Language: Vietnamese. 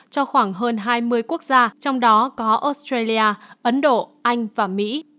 cho khoảng hơn hai mươi quốc gia trong đó có australia ấn độ anh và mỹ